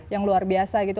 yang luar biasa gitu